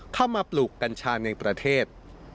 เข้ามาปลูกกัญชาในประเทศ